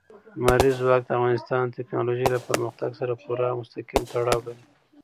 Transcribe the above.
لمریز ځواک د افغانستان د تکنالوژۍ له پرمختګ سره پوره او مستقیم تړاو لري.